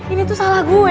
ini tuh salah gue